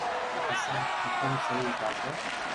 پسو جيم سھي لاگي